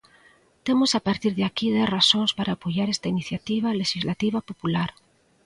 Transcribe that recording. Temos a partir de aquí dez razóns para apoiar esta iniciativa lexislativa popular.